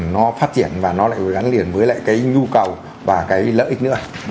nó phát triển và nó lại gắn liền với lại cái nhu cầu và cái lợi ích nữa